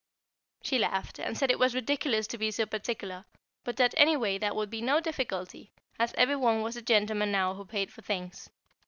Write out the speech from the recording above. She laughed, and said it was ridiculous to be so particular, but that anyway that would be no difficulty, as every one was a gentleman now who paid for things.